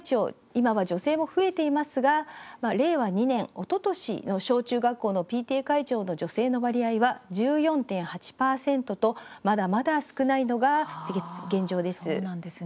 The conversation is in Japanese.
今は女性も増えていますが令和２年、おととしの小中学校のＰＴＡ会長の女性の割合は１４．８％とまだまだ少ないのが現状です。